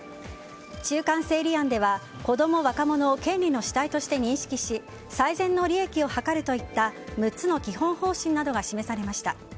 中間整理案ではこども・若者を権利の主体として認識し最善の利益を図るといった６つの基本方針などが示されました。